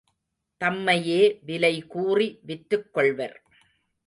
தம்மையே விலைகூறி விற்றுக் கொள்வர்.